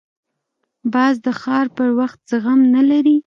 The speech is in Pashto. باز د ښکار پر وخت زغم نه لري